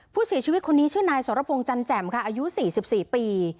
ผู้เสียชีวิตคนนี้ชื่อนายสรพงศ์จันแจ่มค่ะอายุ๔๔ปี